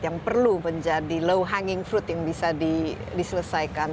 yang perlu menjadi low hanging fruit yang bisa diselesaikan